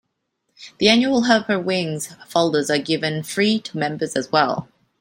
The annual Herpa Wings folders are given free to members as well.